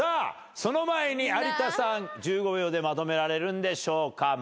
その前に有田さん１５秒でまとめられるんでしょうか？